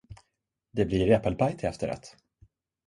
Det blir äppelpaj till efterrätt.